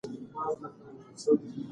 شيدې په نغري کې په ډېر زوږ سره وایشېدې.